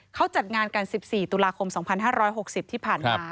เขาจัดงานกัน๑๔ตุลาคม๒๕๖๐ที่ผ่านมา